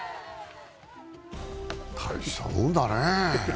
大したもんだね。